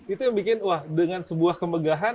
itu yang bikin wah dengan sebuah kemegahan